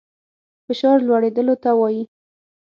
فشار لوړېدلو ته وايي.